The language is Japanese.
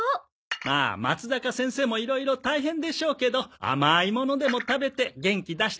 まあまつざか先生もいろいろ大変でしょうけど甘いものでも食べて元気出してくださいね。